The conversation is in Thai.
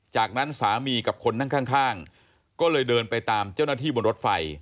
จากนั้นสามีกับคนนั่งข้างก็เลยเดินไปตามเจ้าหน้าที่บนรถไฟ